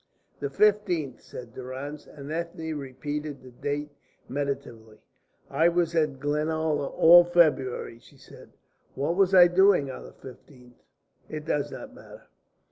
"The fifteenth," said Durrance; and Ethne repeated the date meditatively. "I was at Glenalla all February," she said. "What was I doing on the fifteenth? It does not matter."